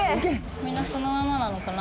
みんなそのままなのかな？